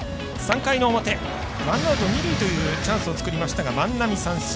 ３回の表ワンアウト、二塁というチャンスを作りましたが万波、三振。